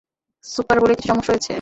Super বোলে কিছু সমস্যা হয়েছে!